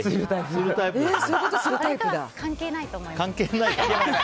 あれは関係ないと思います。